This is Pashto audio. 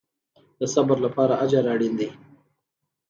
د صبر لپاره اجر اړین دی